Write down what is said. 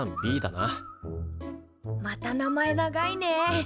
また名前長いね。